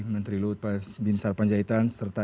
menteri lutfaz bin sarpanjaitan serta